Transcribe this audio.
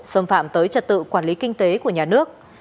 xâm phạm tới trật tự quản lý kinh tế của nhà nước